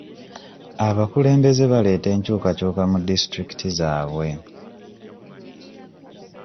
Abakulembeze baleeta enkyukakyuka mu disitulikiti zaabwe.